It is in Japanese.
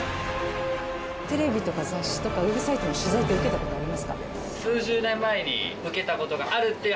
テレビとか雑誌とかウェブサイトの取材って受けた事ありますか？